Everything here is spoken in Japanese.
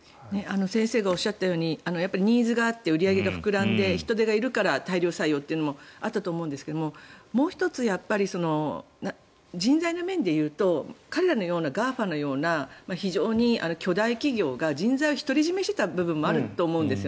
先生がおっしゃったようにニーズがあって売り上げが膨らんで人手がいるから大量採用というのもあったと思うんですがもう１つ、人材の面でいうと彼らのようなＧＡＦＡのような非常に巨大企業が人材を独り占めしていた部分もあると思うんです。